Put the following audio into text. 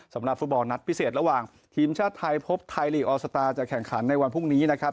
สำหรับฟุตบอลนัดพิเศษระหว่างทีมชาติไทยพบไทยลีกออสตาร์จะแข่งขันในวันพรุ่งนี้นะครับ